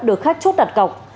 được khách chốt đặt cọc